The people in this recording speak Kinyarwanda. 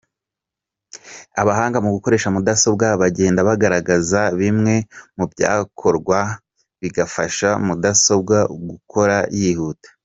Abahanga mu gukoresha mudasobwa bagenda bagaragaza bimwe mu byakorwa bigafasha mudasobwa gukora yihuta:.